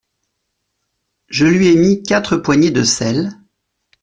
Je lui ai mis quatre poignées de sel.